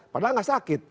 padahal gak sakit